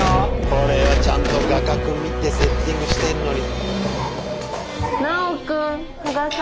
これはちゃんと画角見てセッティングしてんのに。